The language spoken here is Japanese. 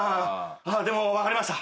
でも分かりました。